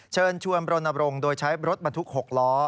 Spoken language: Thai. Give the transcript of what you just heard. เชิญชวนรณบรงค์โดยใช้รถบรรทุก๖ล้อ